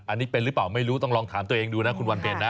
อันนี้เป็นหรือเปล่าไม่รู้ต้องลองถามตัวเองดูนะคุณวันเพ็ญนะ